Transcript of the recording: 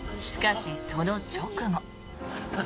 しかし、その直後。